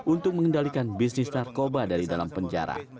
untuk mengendalikan bisnis narkoba dari dalam penjara